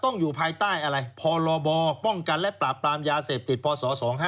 อยู่ภายใต้อะไรพรบป้องกันและปราบปรามยาเสพติดพศ๒๕๖